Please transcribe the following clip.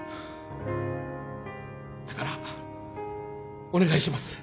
だからお願いします。